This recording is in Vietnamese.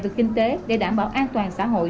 từ kinh tế để đảm bảo an toàn xã hội